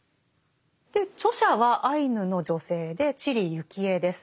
で著者はアイヌの女性で知里幸恵です。